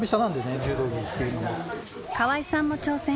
河合さんも挑戦。